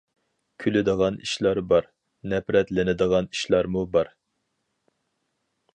كۈلىدىغان ئىشلار بار، نەپرەتلىنىدىغان ئىشلارمۇ بار.